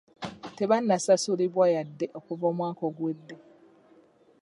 Tebannasasulibwa yadde okuva omwaka oguwedde.